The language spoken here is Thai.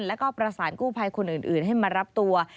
แล้วก็ประสานกู้ภัยคนอื่นให้มารับตัว